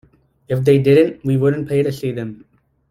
If they didn't, we wouldn't pay to see them.